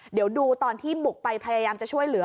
เดี๋ยวดูตอนที่บุกไปพยายามจะช่วยเหลือ